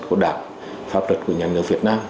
của đảng pháp luật của nhân người việt nam